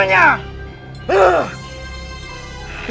jangan sembarangan menodo